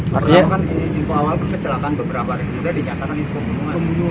karena kan info awal kecelakaan beberapa hari kemudian dinyatakan itu pembunuhan